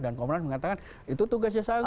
dan komnas mengatakan itu tugasnya jaksa agung